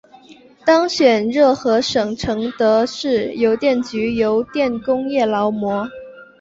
当选热河省承德市邮电局邮电工业劳模。